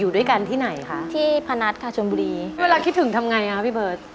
ด้วยกันที่ไหนคะที่พนัทค่ะชนบุรีเวลาคิดถึงทำไงคะพี่เบิร์ต